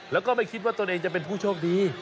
แล้วก็ไม่คิดว่าตนเองจะเป็นผู้โชคดี